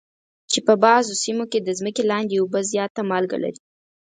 چې په بعضو سیمو کې د ځمکې لاندې اوبه زیاته مالګه لري.